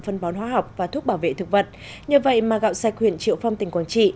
phân bón hóa học và thuốc bảo vệ thực vật nhờ vậy mà gạo sạch huyện triệu phong tỉnh quảng trị